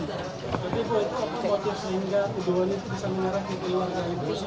tapi bu apa motif sehingga kebohongan itu bisa menyerah di keluarga ibu